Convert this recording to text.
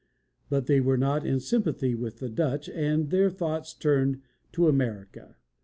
But they were not in sympathy with the Dutch, and their thoughts turned to America.